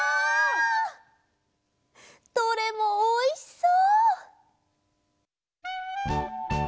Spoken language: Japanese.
どれもおいしそう！